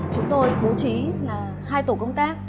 chúng tôi bố trí là hai tổ công tác